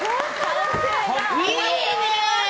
いいね！